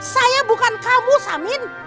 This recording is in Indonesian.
saya bukan kamu samin